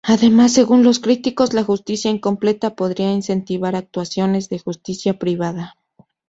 Además, según los críticos, la justicia incompleta podría incentivar actuaciones de justicia privada.